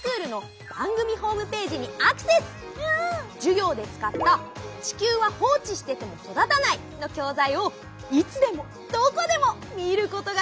授業で使った「地球は放置してても育たない」の教材をいつでもどこでも見ることができちゃうんだ！